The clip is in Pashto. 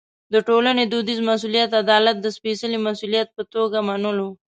د ټولنې دودیز مسوولیت عدالت د سپېڅلي مسوولیت په توګه منلو.